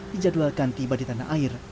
dijadwalkan tiba di tanah air